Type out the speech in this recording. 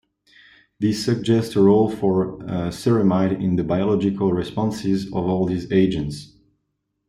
This suggests a role for ceramide in the biological responses of all these agents.